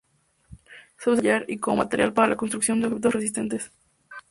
Se usa para tallar y como material para la construcción de objetos resistentes.